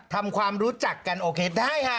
ทำความรู้จักกันโอเคได้ค่ะ